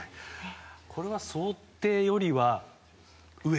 これは想定よりは上？